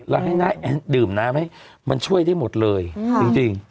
แล้วให้น้าแอนดื่มน้ำให้มันช่วยได้หมดเลยจริง